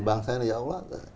bangsa ini ya allah